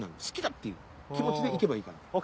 好きだ！」っていう気持ちで行けばいいから。